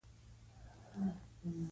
لیکوالان وهڅوئ چې ډېر ولیکي.